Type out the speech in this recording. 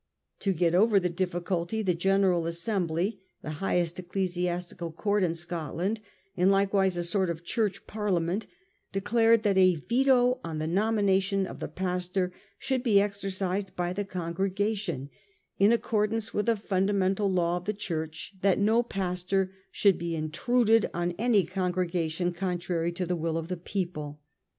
To get over the difficulty the General Assembly, the highest ecclesiastical court in Scotland, and likewise a sort of Church Parliament, declared that a veto on the nomination of the pastor should he exercised by the congregation, in accord ance with a fundamental law of the Church that no pastor should he intruded on any congregation con trary to the will of the people.